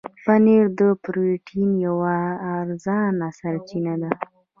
پنېر د پروټين یوه ارزانه سرچینه ده.